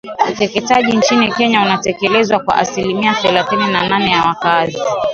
Ukeketaji nchini Kenya unatekelezwa kwa asilimia thelathini na nane ya wakazi